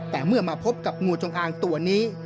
แต่เมื่อมาพบกับงูจงอางตัวนี้